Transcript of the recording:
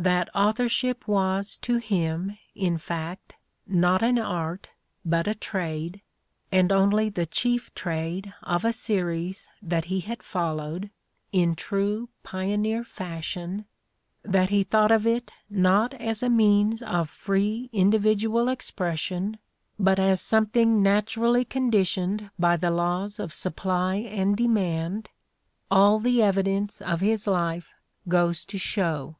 That authorship was to him, in fact, not an art but a trade, and only the chief trade of a series that he had followed, in true pioneer fashion, that he thought of it not as a means of free individual expression but as something naturally conditioned by the laws of supply and demand, all the evidence of his life goes to show.